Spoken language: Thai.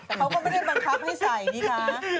พวกมันไม่ได้บังคับให้ใส่นี่คะ